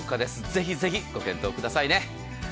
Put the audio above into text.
ぜひぜひご検討くださいね。